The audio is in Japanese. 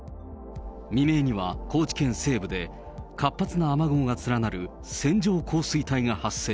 未明には高知県西部で活発な雨雲が連なる線状降水帯が発生。